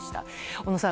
小野さん